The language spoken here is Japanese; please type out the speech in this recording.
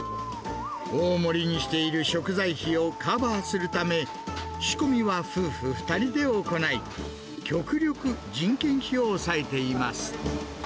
大盛りにしている食材費をカバーするため、仕込みは夫婦２人で行い、極力、人件費を抑えています。